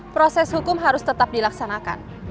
proses hukum harus tetap dilaksanakan